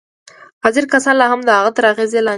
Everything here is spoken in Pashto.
حاضر کسان لا هم د هغه تر اغېز لاندې وو